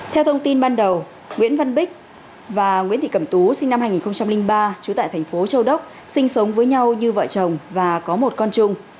theo thông tin ban đầu nguyễn văn bích và nguyễn thị cẩm tú sinh năm hai nghìn ba trú tại thành phố châu đốc sinh sống với nhau như vợ chồng và có một con chung